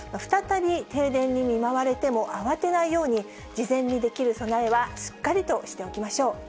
再び停電に見舞われても、慌てないように、事前にできる備えはしっかりとしておきましょう。